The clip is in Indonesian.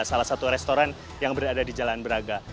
salah satu restoran yang berada di jalan braga